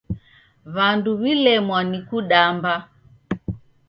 W'andu w'ilemwa ni kudamba.